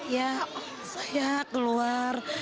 ya saya keluar